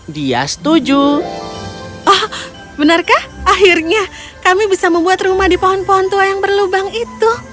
dia setuju oh benarkah akhirnya kami bisa membuat rumah di pohon pohon tua yang berlubang itu